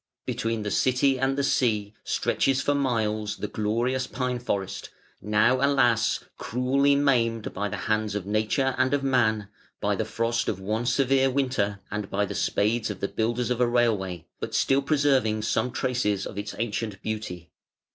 Between the city and the sea stretches for miles the glorious pine forest, now alas! cruelly maimed by the hands of Nature and of Man, by the frost of one severe winter and by the spades of the builders of a railway, but still preserving some traces of its ancient beauty.